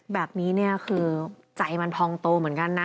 แบบนี้ใจมันพ้องโตเหมือนกันนะ